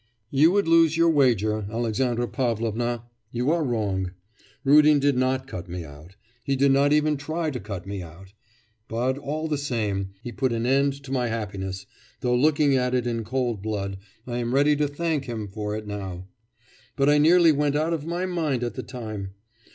'You would lose your wager, Alexandra Pavlovna; you are wrong. Rudin did not cut me out; he did not even try to cut me out; but, all the same, he put an end to my happiness, though, looking at it in cool blood, I am ready to thank him for it now. But I nearly went out of my mind at the time.